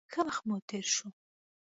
ښه وخت مو تېر شو.